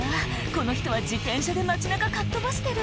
この人は自転車で街中かっ飛ばしてる